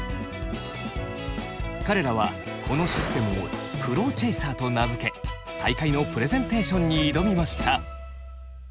彼らはこのシステムを「ＣｒｏｗＣｈａｓｅｒ」と名付け大会のプレゼンテーションに挑みました。